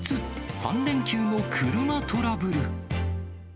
３連休の車トラブル。